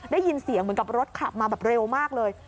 ได้ยินเสียงเหมือนกับรถขับมาแบบเร็วมากเลย